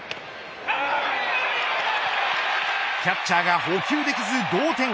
キャッチャーが捕球できず同点。